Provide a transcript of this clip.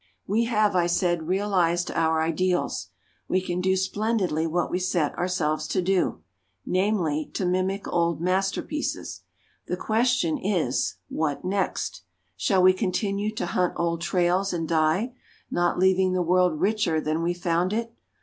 We have, I said, realised our ideals. We can do splendidly what we set ourselves to do namely, to mimic old masterpieces. The question is, What next? Shall we continue to hunt old trails, and die, not leaving the world richer than we found it?